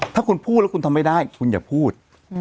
ถ้าคุณพูดแล้วคุณทำไม่ได้คุณอย่าพูด